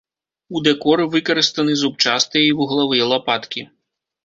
У дэкоры выкарыстаны зубчастыя і вуглавыя лапаткі.